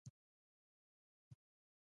جګړه د فقر سبب ده